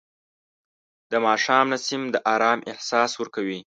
د ماښام نسیم د آرام احساس ورکوي